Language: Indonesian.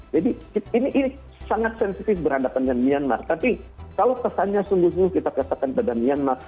jadi ini sangat sensitif berhadapan dengan myanmar tapi kalau kesannya kita katakan pada myanmar